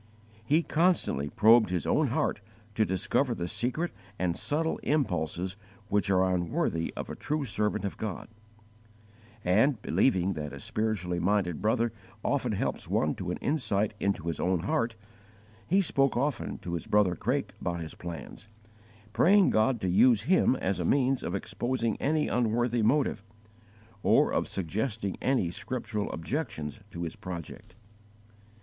He constantly probed his own heart to discover the secret and subtle impulses which are unworthy of a true servant of God; and, believing that a spiritually minded brother often helps one to an insight into his own heart, he spoke often to his brother Craik about his plans, praying God to use him as a means of exposing any unworthy motive, or of suggesting any scriptural objections to his project.